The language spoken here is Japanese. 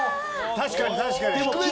確かに確かに。